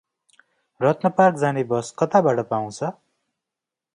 रत्नपार्क जाने बस कताबाट पाउछ?